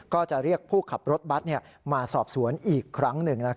ก็จะเรียกผู้ขับรถบัตรมาสอบสวนอีกครั้งหนึ่ง